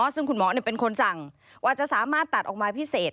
ซึ่งคุณหมอเป็นคนสั่งว่าจะสามารถตัดออกมาพิเศษ